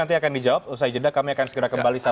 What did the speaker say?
nanti akan dijawab usai jeda kami akan segera kembali